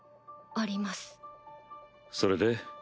それで？